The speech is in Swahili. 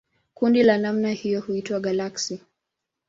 Kundi la namna hiyo huitwa galaksi.